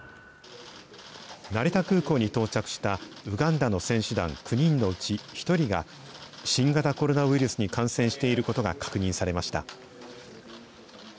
成田空港に到着したウガンダの選手団９人のうち、１人が新型コロナウイルスに感染していることが確認されました。